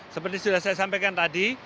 seperti sudah saya sampaikan tadi